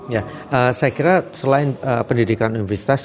ya saya kira selain pendidikan universitas